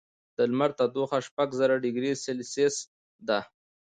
د لمر تودوخه شپږ زره ډګري سیلسیس ده.